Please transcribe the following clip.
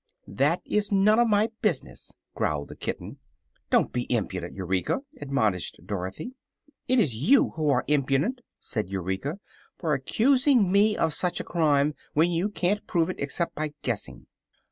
"That's none of my business," growled the kitten. "Don't be impudent, Eureka," admonished Dorothy. "It is you who are impudent," said Eureka, "for accusing me of such a crime when you can't prove it except by guessing."